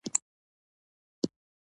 • د ورځې روڼ آسمان د خوشحالۍ نښه ده.